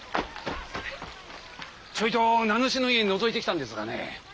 ちょいと名主の家のぞいてきたんですがね